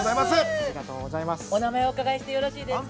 お名前をお伺いしてよろしいですか。